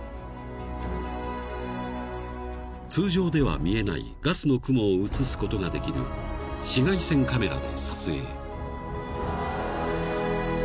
［通常では見えないガスの雲を映すことができる紫外線カメラで撮影］